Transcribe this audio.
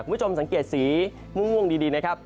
คุณผู้ชมสังเกตสีม่วงดีนะครับ